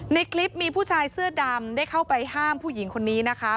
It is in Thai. ในคลิปมีผู้ชายเสื้อดำได้เข้าไปห้ามผู้หญิงคนนี้นะคะ